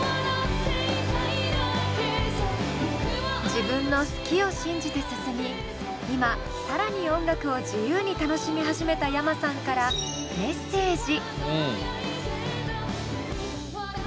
自分の好きを信じて進み今更に音楽を自由に楽しみ始めたｙａｍａさんからメッセージ。